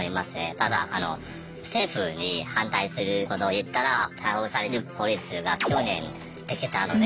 ただあの政府に反対することを言ったら逮捕される法律が去年できたので。